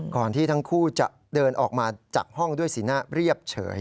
ที่ทั้งคู่จะเดินออกมาจากห้องด้วยสีหน้าเรียบเฉย